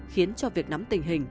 khiến cho việc nắm tình hình